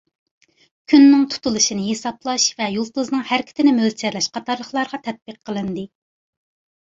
كۈننىڭ تۇتۇلۇشىنى ھېسابلاش ۋە يۇلتۇزنىڭ ھەرىكىتىنى مۆلچەرلەش قاتارلىقلارغا تەتبىق قىلىندى.